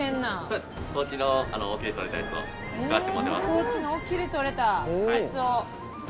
高知の沖でとれたカツオ。